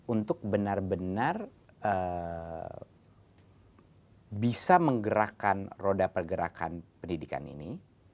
untuk benar benar bisa menggerakkan roda pergerakan pendidikan ini